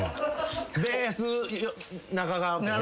ベース中川家で。